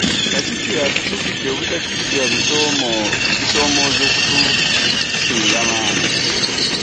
Katikkiro atukuutidde obutakkiriza bisoomoozo kutusinga maanyi